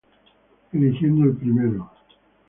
Eligiendo el primero.